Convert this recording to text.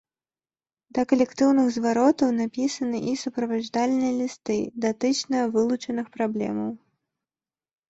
Да калектыўных зваротаў напісаны і суправаджальныя лісты датычна вылучаных праблемаў.